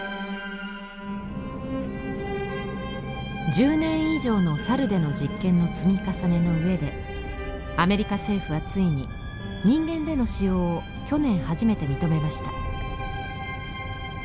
１０年以上のサルでの実験の積み重ねのうえでアメリカ政府はついに人間での使用を去年初めて認めました。